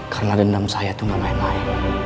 karena dendam saya itu namanya ae